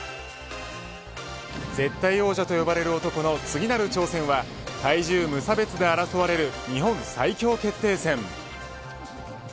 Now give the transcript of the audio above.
絶対王者と呼ばれる男の次なる挑戦は体重無差別で争われる日本最強決定戦。